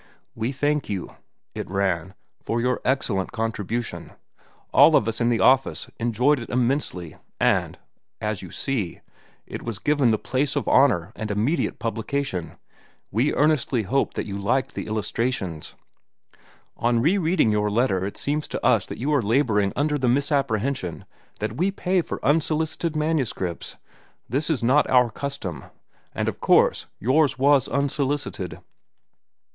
"We thank you," it ran, "for your excellent contribution. All of us in the office enjoyed it immensely, and, as you see, it was given the place of honor and immediate publication. We earnestly hope that you liked the illustrations. "On rereading your letter it seems to us that you are laboring under the misapprehension that we pay for unsolicited manuscripts. This is not our custom, and of course yours was unsolicited.